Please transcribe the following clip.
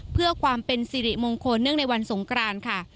เพื่อความเป็นสิริมงคลเนื่องในวันสงกรานค่ะ